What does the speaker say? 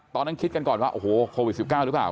ตอนนั้นคิดกันก่อนว่าโอ้โหโควิด๑๙หรือเปล่า